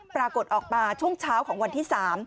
ปรากฏออกมาช่วงเช้าของวันที่๓